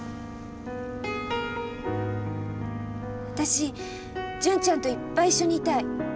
私純ちゃんといっぱい一緒にいたい。